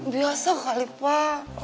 biasa kali pak